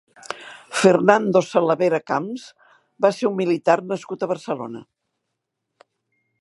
Fernando Salavera Camps va ser un militar nascut a Barcelona.